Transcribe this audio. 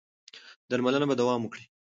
درملنه به دوام وکړي.